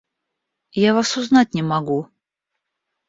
Я вас узнать не могу.